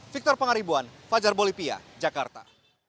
victor pangaribuan fajar bolivia jakarta